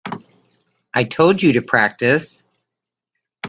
I told you to practice.